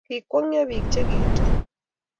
Kikwongyo biik chegiitu